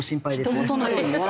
ひとごとのように。